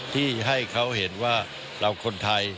ที่ให้เขาเห็นว่าเราคนไทย